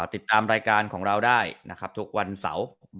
ติดตามรายการของเราได้นะครับทุกวันเสาร์